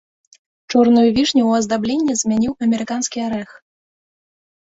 Чорную вішню ў аздабленні замяніў амерыканскі арэх.